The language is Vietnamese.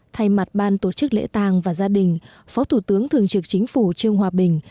thay mặt ban tổ chức lễ tàng và gia đình phó thủ tướng thường trực chính phủ trương hòa bình